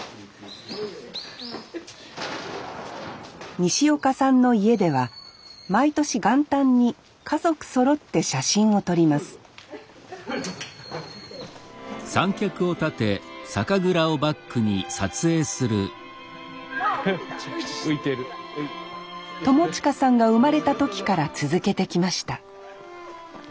西岡さんの家では毎年元旦に家族そろって写真を撮ります朋慈さんが生まれた時から続けてきました